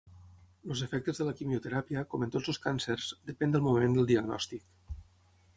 Els efectes de la quimioteràpia, com en tots els càncers, depèn del moment del diagnòstic.